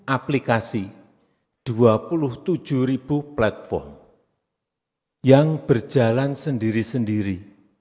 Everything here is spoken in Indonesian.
aplikasi dua puluh tujuh ribu platform yang berjalan sendiri sendiri